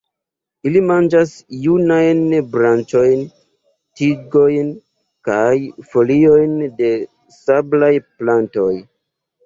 Ili manĝas junajn branĉojn, tigojn kaj foliojn de sablaj plantoj.